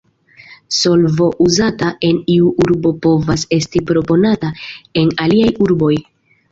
Solvo uzata en iu urbo povas esti proponata en aliaj urboj.